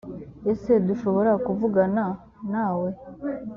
ese dushobora kuvugana na we